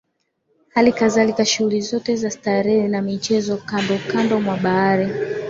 Hali kadhalika shughuli zote za starehe na michezo kando kando mwa bahari